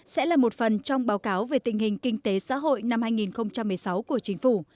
sẽ là một phần trong báo cáo về tình hình kinh tế xã hội năm hai nghìn một mươi sáu của chính phủ